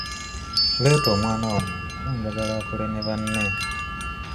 Leeta omwana wange kuba njagala akule ne banne.